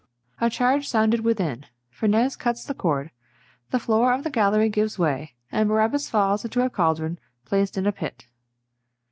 [A charge sounded within: FERNEZE cuts the cord; the floor of the gallery gives way, and BARABAS falls into a caldron placed in a pit.